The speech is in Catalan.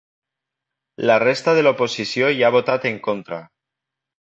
La resta de l’oposició hi ha votat en contra.